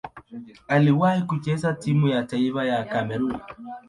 Aliwahi kucheza timu ya taifa ya Kamerun.